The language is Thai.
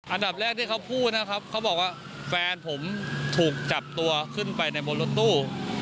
อันดับแรกที่เขาพูดนะครับเขาบอกว่าแฟนผมถูกจับตัวขึ้นไปในบนรถตู้